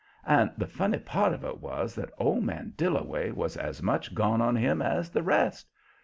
And the funny part of it was that old man Dillaway was as much gone on him as the rest.